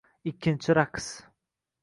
Ikkinchi raqs.